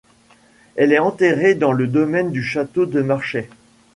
Elle est enterrée dans le domaine du château de Marchais.